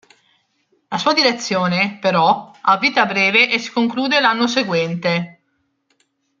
La sua direzione, però, ha vita breve e si conclude l'anno seguente.